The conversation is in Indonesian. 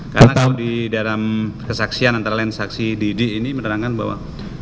karena kalau di dalam kesaksian antara lain saksi didik ini menerangkan bahwa